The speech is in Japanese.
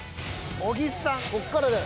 こっからだよ。